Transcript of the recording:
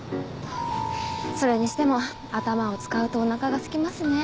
それにしても頭を使うとおなかが空きますね。